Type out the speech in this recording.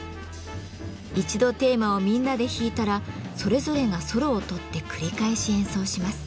一度テーマをみんなで弾いたらそれぞれがソロを取って繰り返し演奏します。